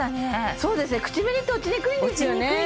そうですね口紅って落ちにくいんですよね